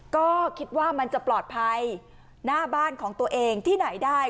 ก็คิดว่ามันจะปลอดภัยหน้าบ้านของตัวเองที่ไหนได้